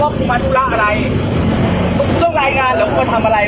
เขารับฝ่ายแล้วนะเฮีย